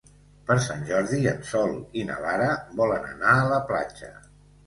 Per Sant Jordi en Sol i na Lara volen anar a la platja.